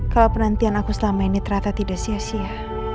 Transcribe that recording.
kalau penantian aku selama ini ternyata tidak sia sia